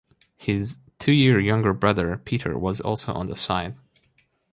His two-year younger brother Peter was also on the side.